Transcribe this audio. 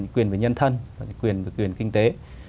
quyền về nhân thân quyền về quyền kinh tế